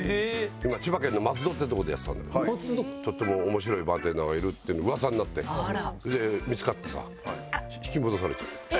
千葉県の松戸ってとこでやってたんだけどとても面白いバーテンダーがいるって噂になってそれで見つかってさ引き戻されちゃった。